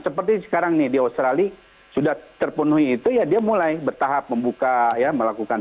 seperti sekarang nih di australia sudah terpenuhi itu ya dia mulai bertahap membuka ya melakukan